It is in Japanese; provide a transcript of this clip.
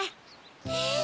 え？